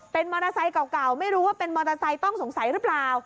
เป็นมอเตอร์ไซค์เก่าไม่รู้ว่าเป็นมอเตอร์ไซค์ต้องสงสัยหรือเปล่า